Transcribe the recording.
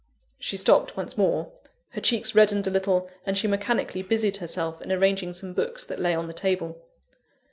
She stopped once more. Her cheeks reddened a little, and she mechanically busied herself in arranging some books that lay on the table.